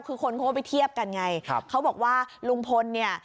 คือคนเขาก็ไปเทียบกันไงครับเขาบอกว่าลุงพลเนี่ย